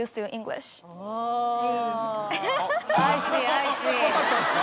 オ！分かったんですか？